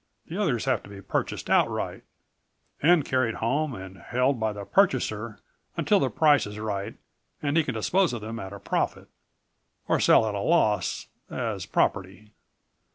The others have to be purchased outright and carried home and held by the purchaser until the price is right and he can dispose of them at a profit. Or sell at a loss, as property."